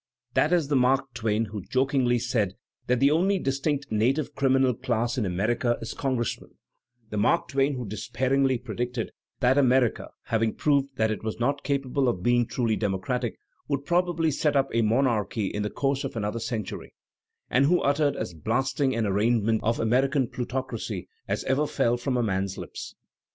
That is the Mark Twain who "jokingly" said that the only distinct native criminal class in America is congressmen, the Mark Twain who despairingly predicted that America, having proved that it was not capable of bdng truly demo cratic, would probably set up a monarchy in the course of another century, and who uttered as blasting an arraign ment of American plutocracy as ever fell from a man's lips.